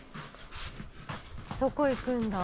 どこ行くんだ？